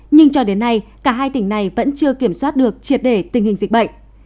nhưng cho đến nay cả hai tỉnh này vẫn chưa kiểm soát được triệt để tình hình dịch bệnh